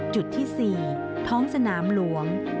จุดที่๔ท้องสนามหลวง